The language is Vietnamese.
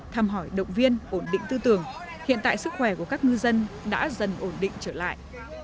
thăm hỏi động viên ổn định tư tưởng hiện tại sức khỏe của các ngư dân đã dần ổn định trở lại